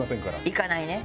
行かないね。